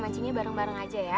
kuncinya bareng bareng aja ya